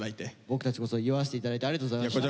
僕たちこそ祝わせて頂いてありがとうございました。